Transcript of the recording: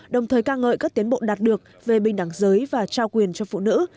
đồng thời ca ngợi các tiến bộ đạt được về bình đẳng giới và trao quyền cho phụ nữ